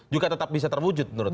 juga tetap bisa terwujud menurut